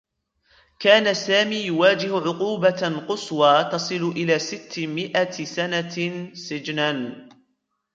كان سامي يواجه عقوبة قصوى تصل إلى ستّ مئة سنة سجنا.